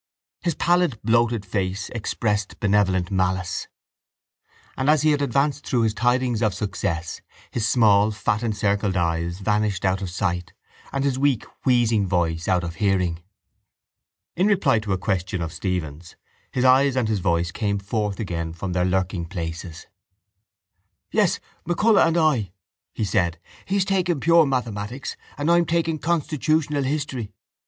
His pallid bloated face expressed benevolent malice and, as he had advanced through his tidings of success, his small fat encircled eyes vanished out of sight and his weak wheezing voice out of hearing. In reply to a question of Stephen's his eyes and his voice came forth again from their lurkingplaces. —Yes, MacCullagh and I, he said. He's taking pure mathematics and I'm taking constitutional history.